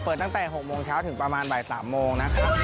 เปิดตั้ง๖โมงเช้าถึงประมาณบ่าย๓โมง